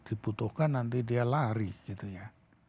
dibutuhkan nanti dia lari gitu ya